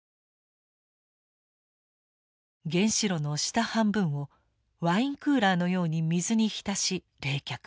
原子炉の下半分をワインクーラーのように水に浸し冷却。